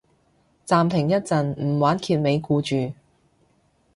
暫停一陣唔玩揭尾故住